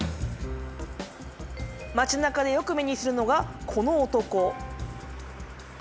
町なかでよく目にするのがこの男。